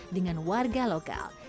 dengan warga lokal